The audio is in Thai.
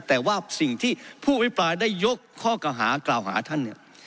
แต่ว่าสิ่งที่ผู้วิปราศน์ได้ยกข้อกล่าวหาท่าน